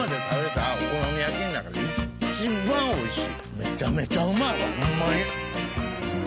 めちゃめちゃうまいわほんまに。